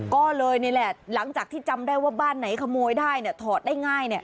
ก็เลยนี่แหละหลังจากที่จำได้ว่าบ้านไหนขโมยได้ถอดได้ง่าย